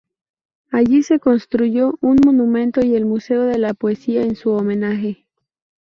Allí se construyó un monumento y el museo de la poesía en su homenaje.